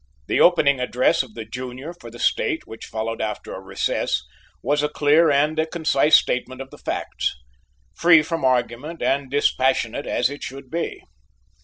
The opening address of the junior for the State, which followed after a recess, was a clear and a concise statement of the facts, free from argument and dispassionate as it should be.